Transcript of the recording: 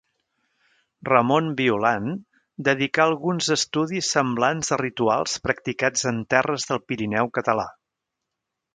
Ramon Violant, dedicà alguns estudis semblants a rituals practicats en terres del Pirineu català.